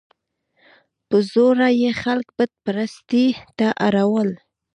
په زوره یې خلک بت پرستۍ ته اړول.